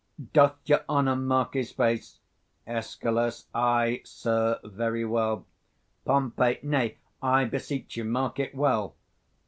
Doth your honour mark his face? Escal. Ay, sir, very well. Pom. Nay, I beseech you, mark it well.